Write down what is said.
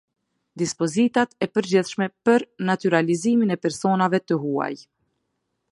Dispozitat e përgjithshme për natyralizimin e personave të huaj.